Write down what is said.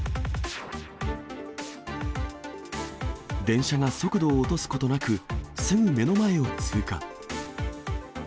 電車が速度を落とすことなく、すぐ目の前を通過。